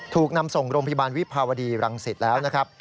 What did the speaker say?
ถูกนำส่งโรงพยาบาลวิภาวดีรังสิตแล้วนะครับ